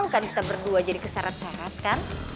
lo gak mau kan kita berdua jadi keseret seret kan